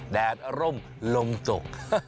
แดดร่มลมจก